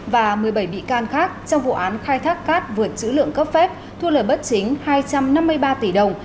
và một mươi bảy bị can khác trong vụ án khai thác cát vượt chữ lượng cấp phép thu lời bất chính hai trăm năm mươi ba tỷ đồng